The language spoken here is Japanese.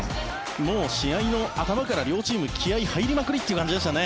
もう試合の頭から両チーム、気合入りまくりという感じでしたね。